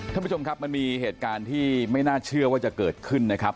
ท่านผู้ชมครับมันมีเหตุการณ์ที่ไม่น่าเชื่อว่าจะเกิดขึ้นนะครับ